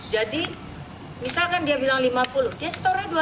jadi misalkan dia bilang rp lima puluh juta dia setornya rp dua puluh lima juta